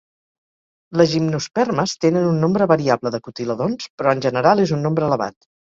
Les gimnospermes tenen un nombre variable de cotiledons però en general és un nombre elevat.